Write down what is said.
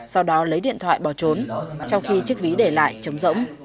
sau đó lấy điện thoại bỏ trốn trong khi chiếc ví để lại chấm rỗng